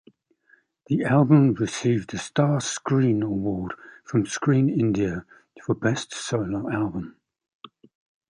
The album received a Star Screen Award from Screen India for Best Solo Album.